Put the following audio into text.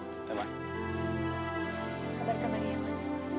kabar kembali ya mas